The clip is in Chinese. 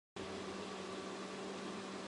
其可被描述为可观测变异。